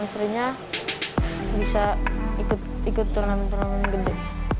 istrinya bisa ikut turnamen turnamen gede